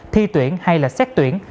thi tuyển hay là xét tuyển